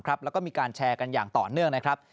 แล้วก็มีการแชร์กันอย่างต่อเนื่องนะครับ